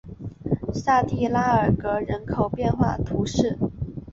萨蒂拉尔格人口变化图示